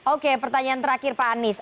oke pertanyaan terakhir pak anies